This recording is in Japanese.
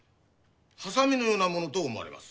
ハサミのようなものと思われます。